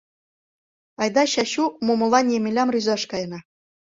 Айда, Чачу, Момолан Емелям рӱзаш каена.